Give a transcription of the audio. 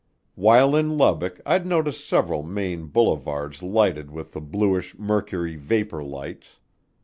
While in Lubbock I'd noticed several main boulevards lighted with the bluish mercury vapor lights.